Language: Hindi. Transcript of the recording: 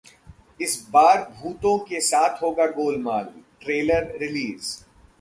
इस बार भूतों के साथ होगा गोलमाल, ट्रेलर रिलीज